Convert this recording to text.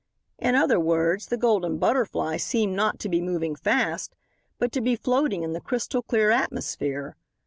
In other words, the Golden Butterfly seemed not to be moving fast, but to be floating in the crystal clear atmosphere.